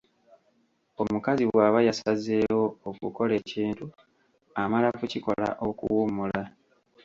Omukazi bwaba yasazzeewo okukola ekintu amala kukikola okuwummula.